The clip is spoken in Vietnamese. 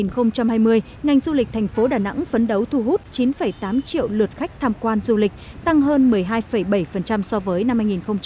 năm hai nghìn hai mươi ngành du lịch thành phố đà nẵng phấn đấu thu hút chín tám triệu lượt khách tham quan du lịch tăng hơn một mươi hai bảy so với năm hai nghìn một mươi chín